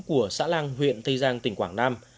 của xã làng huyện tây giang tỉnh quảng nam